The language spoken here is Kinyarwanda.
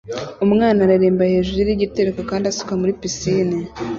Umwana areremba hejuru yigitereko kandi asuka muri pisine